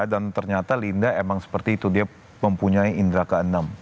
dan ternyata linda memang seperti itu dia mempunyai indra ke enam